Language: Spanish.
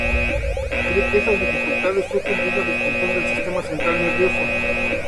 Se cree que estas dificultades surgen de una disfunción del sistema nervioso central.